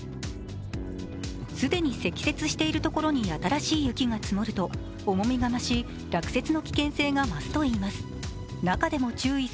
既に積雪している所に新しい雪が積もると重みが増し落雪の危険性が増すといいます。